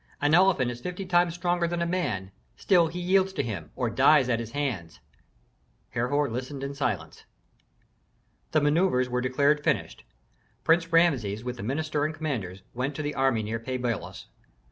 "An elephant is fifty times stronger than a man; still he yields to him, or dies at his hands." Herhor listened in silence. The manœuvres were declared finished. Prince Rameses with the minister and commanders went to the army near Pi Bailos.